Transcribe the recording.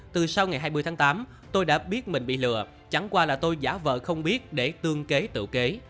từ sau ngày hai mươi tháng tám tôi đã biết mình bị lừa chẳng qua là tôi giả vợ không biết để tương kế tự kế